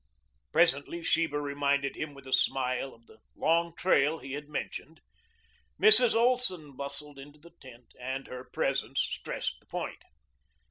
Presently Sheba reminded him with a smile of the long trail he had mentioned. Mrs. Olson bustled into the tent, and her presence stressed the point.